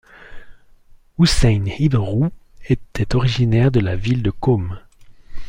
Houssain ibn Rouh était originaire de la ville de Qom.